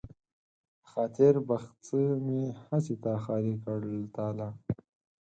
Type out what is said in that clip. د خاطر بخڅه مې هسې تا خالي کړ له تالا